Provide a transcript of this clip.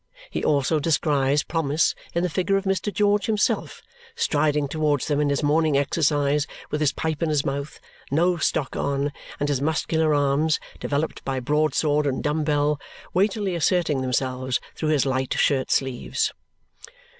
He also descries promise in the figure of Mr. George himself, striding towards them in his morning exercise with his pipe in his mouth, no stock on, and his muscular arms, developed by broadsword and dumbbell, weightily asserting themselves through his light shirt sleeves.